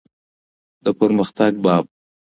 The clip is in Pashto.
د پرمختګ باب.